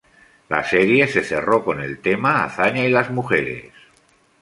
La serie se cerró con el tema "Azaña y las mujeres".